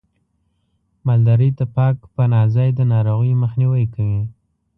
مالدارۍ ته پاک پناه ځای د ناروغیو مخنیوی کوي.